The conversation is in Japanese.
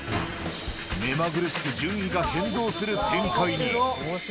目まぐるしく順位が変動する展開に。